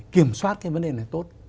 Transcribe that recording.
kiểm soát cái vấn đề này tốt